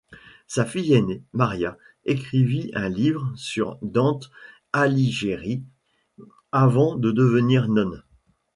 Sa fille aînée, Maria, écrivit un livre sur Dante Alighieri avant de devenir nonne.